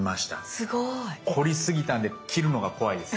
すごい。凝りすぎたんで切るのが怖いです。